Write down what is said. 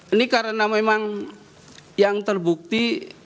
ini karena memang yang terbukti